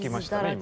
今。